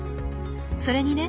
それにね